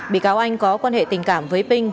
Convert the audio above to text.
bị cáo anh có quan hệ tình cảm với p